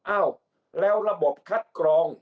อ้าวแล้วระบบคัดกรอง